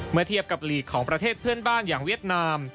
เมื่อเทียบกับลีกของประเทศเพื่อนบ้านอย่างเวียดนาม